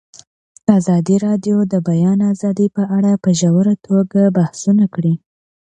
ازادي راډیو د د بیان آزادي په اړه په ژوره توګه بحثونه کړي.